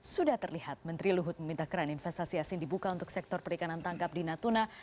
sudah terlihat menteri luhut meminta keran investasi asing dibuka untuk sektor perikanan tangkap di natuna